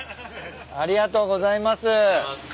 ありがとうございます。